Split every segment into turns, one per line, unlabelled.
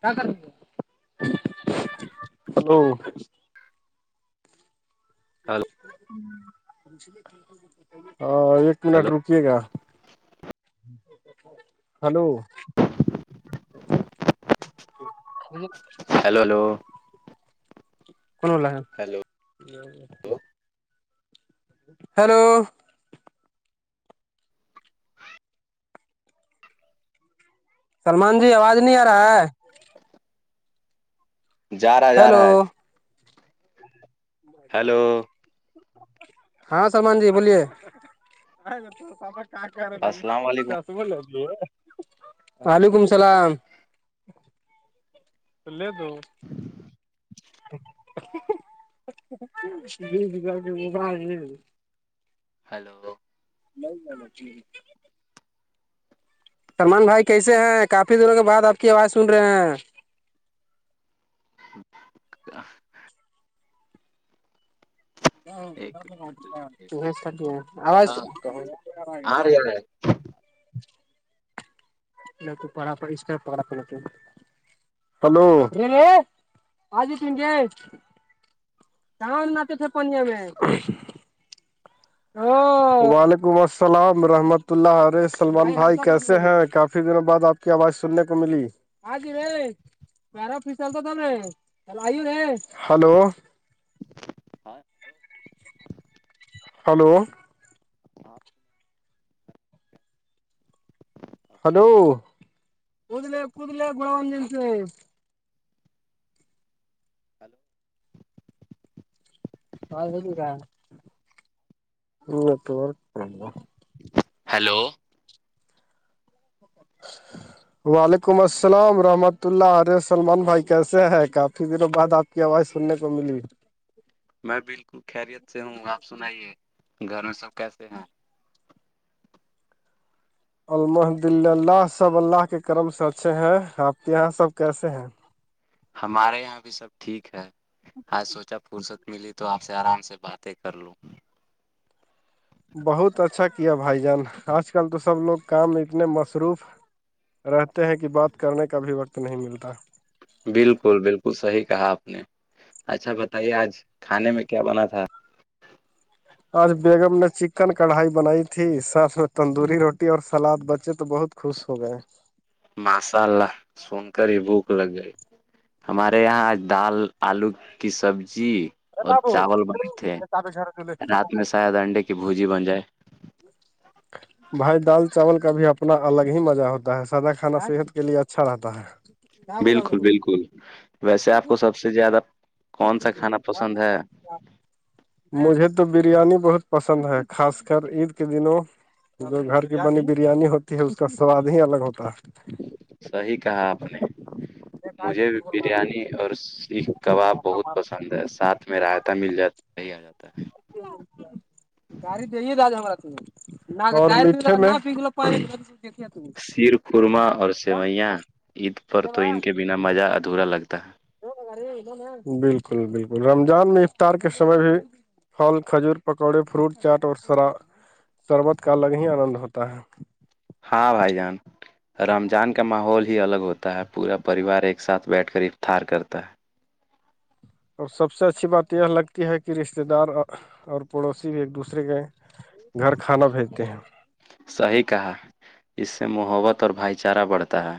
کیا کرو [unintelligible]
ہیلو
ہاں ایک منٹ
ہلو
رکیے گا hello
hello hello
[unintelligible]
hello
[unintelligible] hello Salman ji آواز نہیں آ رہا ہے
جا رہا ہے جا
ہیلو
رہا ہے ہیلو
ہاں سلمان جی بولیے
السلام علیکم
وعلیکم السلام [unintelligible] [unintelligible]
ہیلو
[unintelligible] سلمان بھائی کیسے ہیں کافی دنوں کے بعد آپ کی آواز سن رہے ہیں
[unintelligible] ایک
[unintelligible]
ہاں
عغف
عفف
نہ تو پڑا اس طرح پکڑا پ نہ تو ہلوے آجو تن گ کہاں ناتے تھے پنیہ میں
غوہ
وعلیکم السلام رحمت اللہ ارے سلمان بھائی کیسے ہیں کافی دنوں بعد آپ کی آواز سننے کو ملی پیرا فسل تو تھا چل آئی ر ہلو
ہاں
ہلو
ہاں
ہلوود کود گ م ج سے
ہیلو
ب گا ہو توا
ہیلو ووہ
وعلیکم السلام رحمت اللہ عرے سلمان بھائی کیسے ہیں کافی دیروں بعد آپ کی آواز سننے کو ملی
میں بالکل خیریت سے ہوں آپ سنائیے گھر میں سب کیسے ہیں
الحمد للہ سب اللہ کے کرم سے اچھے ہیں آپ کے یہاں سب کیسے ہیں
ہمارے یہاں بھی سب ٹھیک ہے ہاں سوچا فرصت ملی تو آپ سے آرام سے باتیں کر لوں
بہت اچھا کیا بھائی جان آج کل تو سب لوگ کام اتنے مصروف رہتے ہیں کہ بات کرنے کا بھی وقت نہیں ملتا
بالکل بالکل صحیح کہا آپ نے اچھا بتائیے آج کھانے میں کیا بنا تھا
آج بیگم نے چکن کڑھائی بنائی تھی ساتھ میں تندوری روٹی اور سلاد بچے تو بہت خوش ہو گئے
مس ال سنکاری بوک لگئی ہمارے یہاں دال آلو کی سبزی اور چاول بن تھے رات میں شاید انڈے کی بھجی بن جائے غفق
بھائی دال چاول کا بھی اپنا الگ ہی مزہ ہوتا ہے سادا کھانا صحت کے لیے اچھا رہتا ہے ہ
بالکل بالکل ویسے آپ کو سب سے زیادہ کون سا کھانا پسند ہے
مجھے تو بریانی بہت پسند ہے خاص کر عید کے دنوں جو گھر کی بنی بریانی ہوتی ہے اس کا سواد ہی الگ ہوتا ہے
صحیح کہا آپ نے مجھے بریانی اور سیخ کباب بہت پسند پسند ہے ساتھ میں رائتا مل جاتا ہی آ جاتا ہے
گاڑی دے ہی داج ہما ت
سیر خورمہ اور سوئیاں عید پر تو ان کے بنا مزہ ادھورا لگتا ہے
بالکل بالکل رمضان میں افطار کے سمے بھی پھل کھجور پکوڑے فروٹ چاٹ اورر شربت کا الگ ہی آنند ہوتا ہے
ہاں بھائی جان رمضان کا ماحول ہی الگ ہوتا ہے پورا پریوار ایک ساتھ بیٹھ کر افتار کرتا ہے
اور سب سے اچھی بات یہ لگتی ہے کہ رشتے دار اور پڑوسی بھی ایک دوسرے کے گھر کھانا بھیجتے ہیں
ہے صحیح کہا اس سے محبت اور بھائی چارہ بڑھتا ہے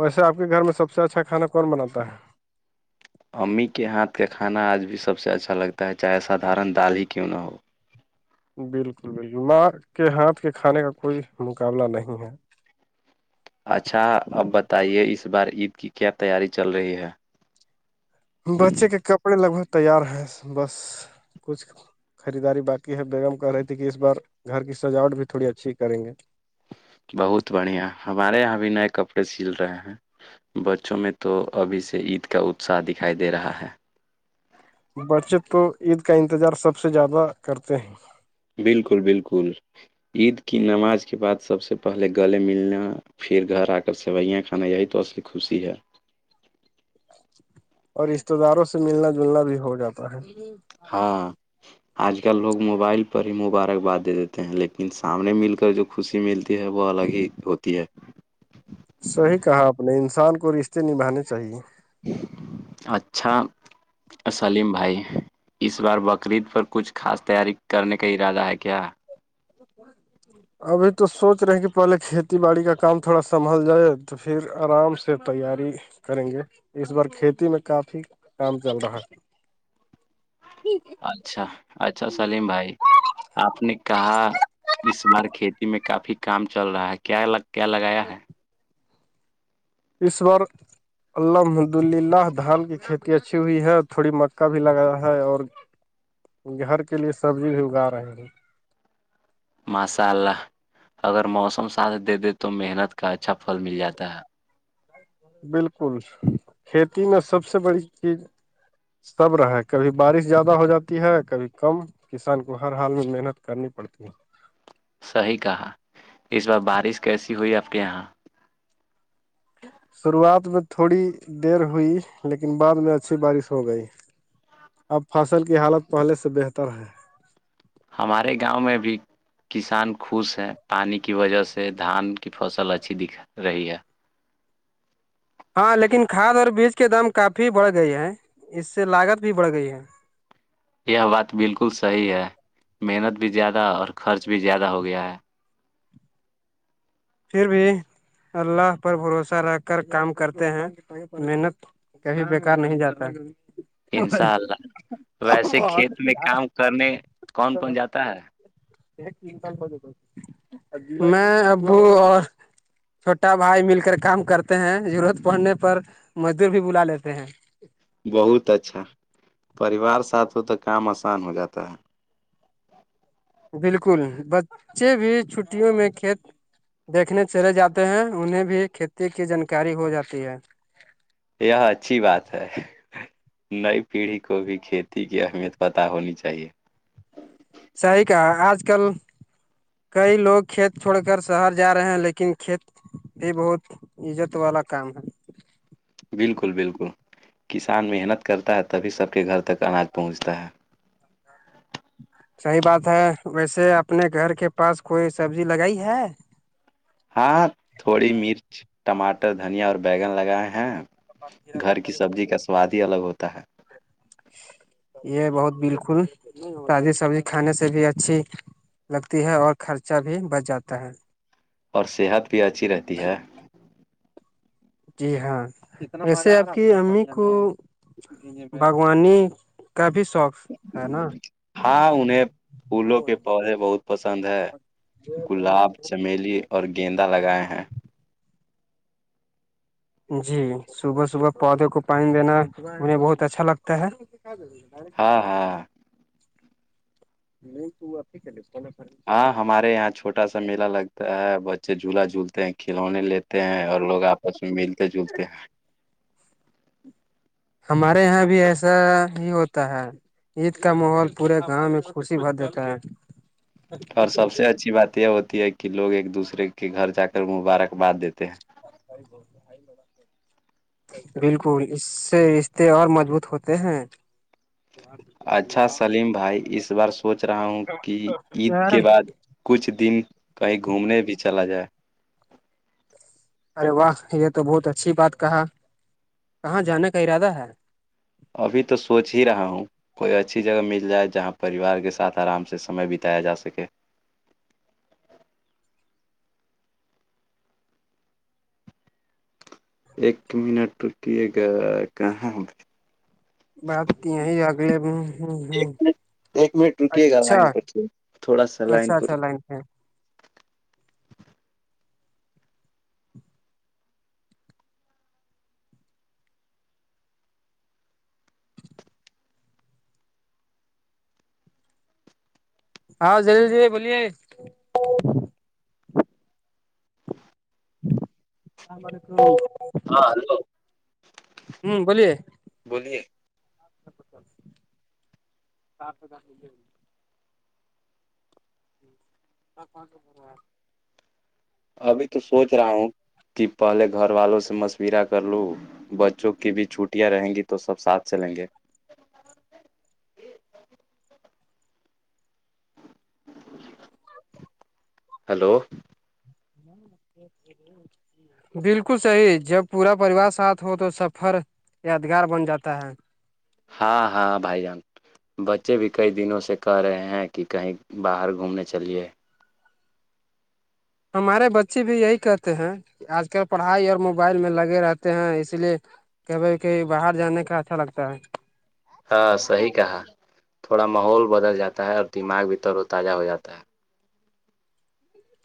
ویسے آپ کے گھر میں سب سے اچھا کانا کون بناتا ہے
امی کے ہاتھ کا کھانا آج بھی سب سے اچھا لگتا ہے چاہے سادھارن دال ہی کیوں نہ ہو
بالکل بالکل ماں کے ہاتھ کے کھانے کا کوئی مقابلہ نہیں ہے
اچھا اب بتائیے اس بار عید کی کیا تیاری چل رہی ہے
بچے کے کپڑے لگ ب تیار ہیں بس کچھ خریداری باقی ہے بیگم کر رہی تھی کہ اس بار گھر کی سجاوٹ بھی تھوڑی اچھی کریں گے
بہت بڑھیا ہمارے یہاں بھی نئے کپڑے سل رہے ہیں بچوں میں تو ابھی سے عید کا اتساہ دکھائی دے رہا ہے
بچے تو عید کا انتظار سب سے زیادہ کرتے ہیں
بالکل بالکل عید کی نماز کے بعد سب سے پہلے گلے ملنا پھر گھر آ کر سوئیاں کھانا یہی تو اس کی خوشی ہے
اور رشتے داروں سے ملنا جلنا بھی ہو جاتا ہے
ہاں آج کل لوگ موبائل پر ہی مبارکباد دے دیتے ہیں لیکن سامنے مل کر جو خوشی ملتی ہے وہ الگ ہی ہوتی ہے
صحیح کہا آپ نے انسان کو رشتے نبھانے چاہیے
اچھا اسلیم بھائی اس بار بقرعید پر کچھ خاص تیاری کرنے کا ارادہ ہے کیا
ابھی تو سوچ رہے ہیں کہ پہلے کھیتی باڑی کا کام تھوڑا سنبھل جائے تو پھر آرام سے سے تیاری کریں گے اس بار کھیتی میں کافی کام چل رہا ہے [inaudible]
اچھا اچھا سلیم بھائی آپ نے کہا اس بار کھیتی میں کافی کام چل رہا ہے کیا کیا لگایا ہے
اسشور الحمد للہ دھان کی کھیتی اچھی ہوئی ہے تھوڑی مکا بھی لگایا ہے اور گھر کے لیے سبزی بھی اگا رہے ہیں
ماشاء اللہ اگر موسم س دے دے تو محنت کا اچھا پھل مل جاتا ہے
بالکل کھیتی میں سب سے بڑی چیز سب رہے کبھی بارش زیادہ ہو جاتی ہے کبھی کم کسان کو ہر حال میں محنت کرنی پڑتی ہے
صیح کہا اس بار بارش کیسی ہوئی آپ کے یہاں
شروعات میں تھوڑی دیر ہوئی لیکن بعد میں اچھی بارش ہو گئی اب فصل کی حالت پہلے سے بہتر ہے
ہمارے گاؤں میں بھی کسان خوش ہے پانی کی وجہ سے دھان کی فصل اچھی دکھ رہی ہے
ہاں لیکن کھاد اور بیج کے دام کافی بڑھ گئے ہے اس سے لاگت بھی بڑھ گئی ہے
یہ بات بالکل صحیح ہے محنت بھی زیادہ اور خرچ بھی زیادہ ہو گیا ہے
پھر بھی اللہ پر بھروسہ رہ کر کام کرتے ہیں محنت کب بیکار نہیں جاتا
انشاء اللہ ویسے کھیت میں کام کرنے کون کون جاتا ہے
س میں ابو اور چھوٹا بھائی مل کر کام کرتے ہیں ضرورت پڑنے پر مزدور بھی بلا لیتے ہیں
بہت اچھا پریوار ساتھ ہو تو کام آسان ہو جاتا ہے
بالکل بچے بھی چھٹیوں میں کھیت دیکھنے چلے جاتے ہیں انہیں بھی کھیتی کی جانکاری ہو جاتی ہے
یہ اچھی بات ہے نئی پیڑھی کو بھی کھیتی کی اہمیت پتہ ہونی چاہیے
صحیح کہ آج کل کئی لوگ کھیت چھوڑ کر شہر جا رہے ہیں لیکن کھیت یہ بہت عزت والا کام ہے
بالکل بالکل کسان محنت کرتا ہے تبھی سب کے گھر تک اناج پہنچتا ہے
صحیح بات ہے ویسے اپنے گھر کے پاس کوئی سبزی لگائی ہے
ہاں تھوڑی مرچ ٹماٹر دھنیا اور بیگن لگائے ہیں گھر کی سبزی کا سواد ہی الگ ہوتا ہے
یہ بہت بالکل تازی سبزی کھانے سے بھی اچھی لگتی ہے اور خرچہ بھی بچ جاتا ہے
اور صحت بھی اچھی رہتی ہے
جی ہاں جیسے آپ کی امی کو باغوانی کافی شوق ہے نا
ہاں انہیں پھولوں کے پودے بہت پسند ہے گلاب چمیلی اور گیندا لگائے ہیں
جی صبح صبح پودوں کو پانی دینا مجھے بہت اچھا لگتا ہے
ہاں ہاں
نہیں تو آپھی کری پنا ف
ہاں ہمارے یہاں چوٹا سا میلا لگتا ہے بچے جھولا جھولتے ہیں کھلونے لیتے تے ہیں اور لوگ آپس میں ملتے جلتے ہیں
ہمارے یہاں بھی ایسا ہی ہوتا ہے عید کا ماحول پورے گاؤں میں خوشی بھر دیتا ہے
اور سب سے اچھی بات یہ ہوتی ہے کہ لوگ ایک دوسرے کے گھر جا کر مبارکباد دیتے ہیں
بہت بھائی لگا ہے بالکل اس سے رشتے اور مضبوط ہوتے ہیں
اچھا سلیم بھائی اس بار سوچ رہا ہوں کہ عید کے بعد کچھ دن کہیں گھومنے بھی چلا جائے
ارے واہ یہ تو بہت اچھی بات کہا کہاں جانے کا ارادہ ہے
ابھی تو سوچ ہی رہا ہوں کوئی اچھی جگہ مل جائے جہاں پریوار کے ساتھ آرام سے سمے بتایا جا سکے ایک منٹ رکیے گا کہاں
بات ت ہی آگل ب ہ ہوں
ایک منٹ رکیے گا لائن پر چ تھوڑا سا لائن
چ
پر
چا لائن تھ ہیں ہاں جل جیے بولیے [unintelligible]
ہاں ہلو بولیے
کھ س پ جا جی س پچس ہزار
ابھی تو سوچ رہا ہوں کہ پہلے گھر والوں سے مشورہ کر لوں بچوں کی بھی چھٹیاں رہیں گی تو سب ساتھ چلیں گے ہلو
ہاں بالکل صحیح جب پورا پریوار ساتھ ہو تو سفر یادگار بن جاتا ہے
ہاں ہاں بھائی جان بچے بھی کئی دنوں سے کہہ رہے ہیں کہ کہیں باہر گھومنے چلیے
ہمارے بچے بھی یہی کہتے ہیں کہ آج کل پڑھائی اور موبائل میں لگے رہتے ہیں اس لیے کہ بھ کہیں باہر جانے کا اچھا لگتا ہے
ہاں صحیح کہا تھوڑا ماحول بدل جاتا ہے اور دماغ بھی تور و تازہ ہو جاتا ہے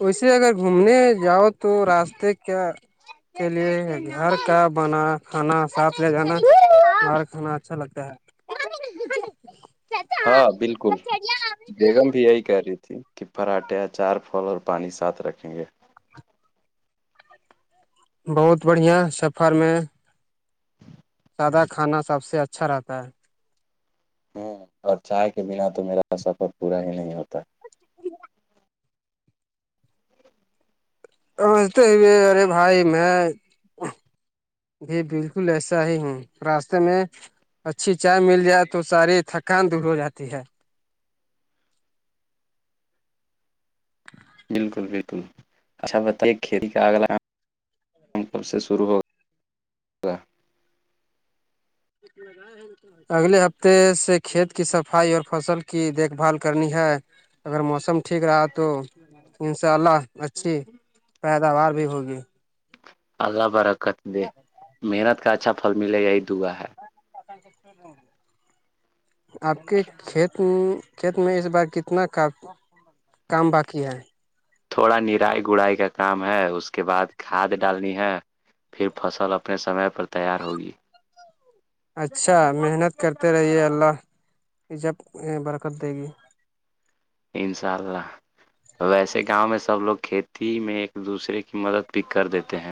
ویے اگر گھومنے جاؤ تو راستے کیا کے لیے گھر کا بنا کھانا ساتھ لے جانا باہر کھانا اچھا لگتا ہے
ہاں بالکل بیگم بھی یہی کہہ رہی تھی ٹھیک کہ پراٹھے چار پھول اور پانی ساتھ رکھیں گے
بہت بڑھیا سفر میں سادا کھانا سب سے اچھا رہتا ہے
ہ اور چائے کے بنا تو میرا سفر پورا ہی نہیں ہوتا
ج سمجھتے ہی ارے بھائی میں بھی بالکل ایسا ہی ہوں راستے میں اچھی چائے مل جائے تو ساری تھکان دور ہو جاتی ہے
بالکل بالکل اچھا بتائیے کھیتی کا اگلا کب سے شرو ہوگا
اا اگلے ہفتے سے کھیت کی صفائی اور فصل کی دیکھ بھال کرنی ہے اگر موسم ٹھیک رہا تو ان شاء اللہ اچھی پیداوار بھی ہوگی
آگاہ برکت دے محنت کا اچھا پھل ملے یہی دعا ہے
ج آپ کے کھیت کھیت میں اس بار کتنا کاف کام باقی ہے
تھوڑا نرائی گڑائی کا کام ہے اس کے بعد کھاد ڈالنی ہے پھر فصل اپنے سمے پر تیار ہوگی
اچھا محنت کرتے رہیے اللہ یہ جب برکت دے گی
انشاء اللہ ویسے گاؤں میں سب لوگ کھیتی میں ایک دوسرے کی مدد بھی کر دیتے ہیں